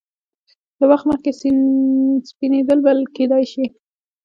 له وخت مخکې سپینېدل بلل کېدای شي.